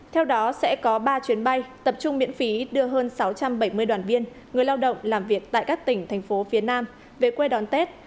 theo đó sẽ có ba chuyến bay tập trung miễn phí đưa hơn sáu trăm bảy mươi đoàn viên người lao động làm việc tại các tỉnh thành phố phía nam về quê đón tết